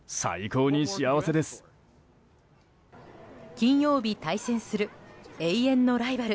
金曜日対戦する永遠のライバル